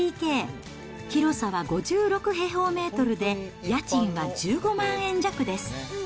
広さは５６平方メートルで、家賃は１５万円弱です。